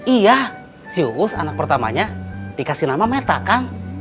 iya si hus anak pertamanya dikasih nama meta kang